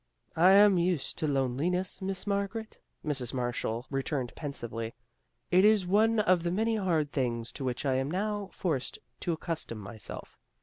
" I am used to loneliness, Miss Margaret," Mrs. Marshall returned pensively. "It is one of the many hard things to which I am now forced to accustom myself.